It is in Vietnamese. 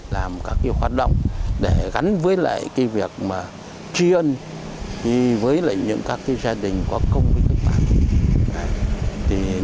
làm các hoạt động để gắn với việc truyền với các gia đình có công với cách mạng